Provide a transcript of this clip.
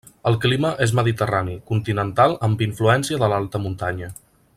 El clima és mediterrani continental amb influència del d'alta muntanya.